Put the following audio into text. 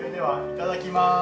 いただきます。